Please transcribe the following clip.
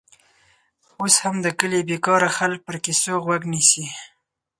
اوس هم د کلي بېکاره خلک پر کیسو غوږ نیسي.